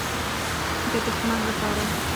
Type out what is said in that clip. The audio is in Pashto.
_د دښمن له پاره.